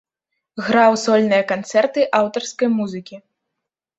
Граў сольныя канцэрты аўтарскай музыкі.